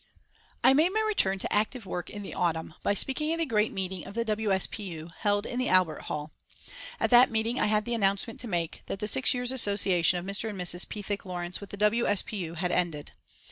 I made my return to active work in the autumn by speaking at a great meeting of the W. S. P. U., held in the Albert Hall. At that meeting I had the announcement to make that the six years' association of Mr. and Mrs. Pethick Lawrence with the W. S. P. U. had ended.